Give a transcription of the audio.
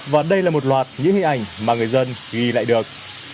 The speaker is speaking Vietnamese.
và đây là một loạt những hình ảnh mà người dân ghi lại được